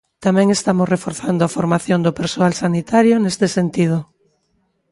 Tamén estamos reforzando a formación do persoal sanitario neste sentido.